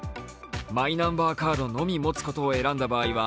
マイナンバーカードのみ持つことを選んだ場合は、